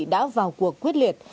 đã vào cuộc quyết liệt